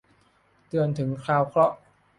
เตือนถึงคราวเคราะห์